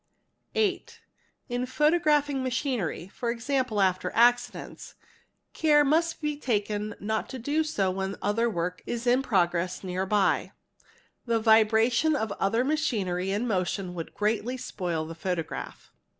8. In photographing machinery (e.g., after accidents) care must be taken not to do so when other work is in progress near by; the vibration | of other machinery in motion would greatly spoil the photograph.